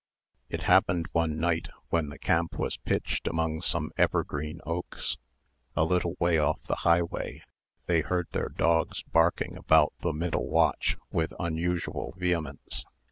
It happened one night, when the camp was pitched among some evergreen oaks, a little off the highway, they heard their dogs barking about the middle watch, with unusual vehemence.